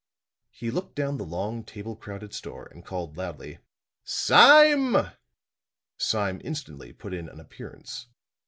He looked down the long, table crowded store and called loudly: "Sime!" Sime instantly put in an appearance.